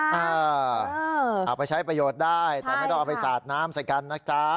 เอาไปใช้ประโยชน์ได้แต่ไม่ต้องเอาไปสาดน้ำใส่กันนะจ๊ะ